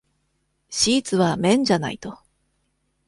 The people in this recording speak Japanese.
シーツは綿じゃないと。